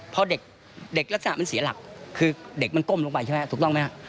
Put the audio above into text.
พอเด็กลักษณะมันเสียหลักคือเด็กมันก้มลงไปใช่ไหมถูกต้องไหมฮะ